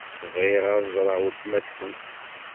Bɣiɣ ad ẓṛeɣ weltma-tkent.